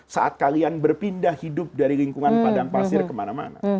saat kalian berpindah hidup dari lingkungan padang pasir kemana mana